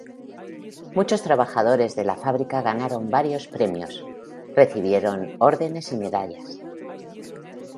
Muchos trabajadores de la fábrica ganaron varios premios, recibieron órdenes y medallas.